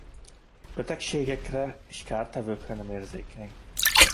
Betegségekre és kártevőkre nem érzékeny.